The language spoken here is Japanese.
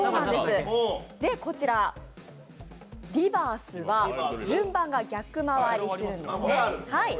こちらリバースは、順番が逆回りするんですね。